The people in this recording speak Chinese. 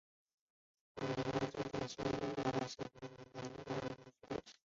米罗什尼基农村居民点是俄罗斯联邦伏尔加格勒州科托沃区所属的一个农村居民点。